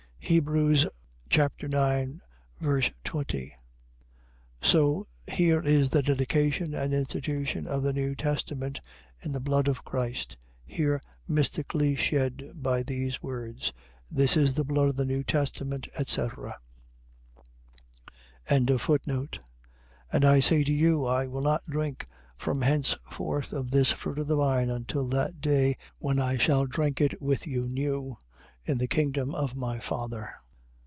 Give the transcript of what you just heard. Heb. 9. 20; so here is the dedication and institution of the new testament, in the blood of Christ, here mystically shed by these words: This is the blood of the new testament, etc. 26:29. And I say to you, I will not drink from henceforth of this fruit of the vine until that day when I shall drink it with you new in the kingdom of my Father.